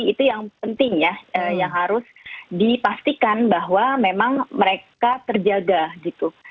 itu yang penting ya yang harus dipastikan bahwa memang mereka terjaga gitu